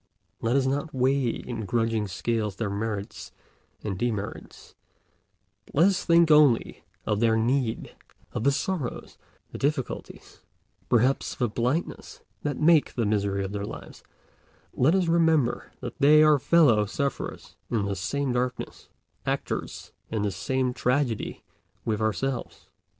Let us not weigh in grudging scales their merits and demerits, but let us think only of their need—of the sorrows, the difficulties, perhaps the blindnesses, that make the misery of their lives; let us remember that they are fellow sufferers in the same darkness, actors in the same tragedy with ourselves.